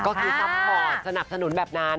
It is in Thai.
ก็คือซัพพอร์ตสนับสนุนแบบนั้น